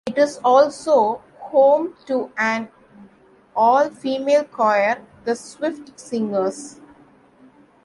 It is also home to an all-female choir, The Swift Singers.